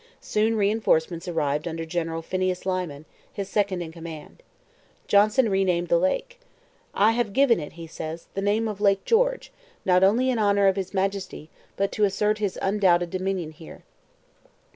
Soon reinforcements arrived under General Phineas Lyman, his second in command. Johnson re named the lake. 'I have given it,' he says, 'the name of Lake George, not only in honour of His Majesty, but to assert his undoubted dominion here.'